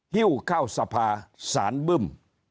ฮิ้วเข้าสภาสารบึ้ม